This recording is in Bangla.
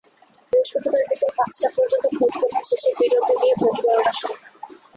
বৃহস্পতিবার বিকেল পাঁচটা পর্যন্ত ভোট গ্রহণ শেষে বিরতি দিয়ে ভোট গণনা শুরু হয়।